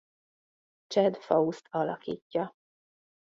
Chad Faust alakítja.